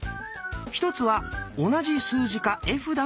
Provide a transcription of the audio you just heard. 一つは同じ数字か絵札の組み合わせ。